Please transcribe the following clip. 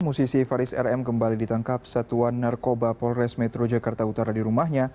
musisi faris rm kembali ditangkap satuan narkoba polres metro jakarta utara di rumahnya